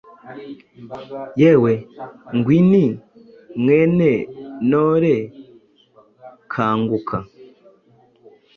Yewe Gwini, mwene Nore, Kanguka!